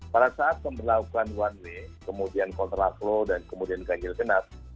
pada saat pemberlakuan one way kemudian kontraflow dan kemudian ganjil genap